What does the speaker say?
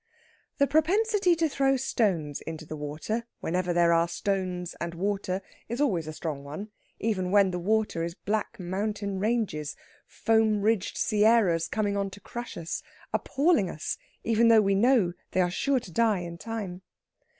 The propensity to throw stones into the water, whenever there are stones and water, is always a strong one, even when the water is black mountain ranges, foam ridged Sierras coming on to crush us, appalling us, even though we know they are sure to die in time.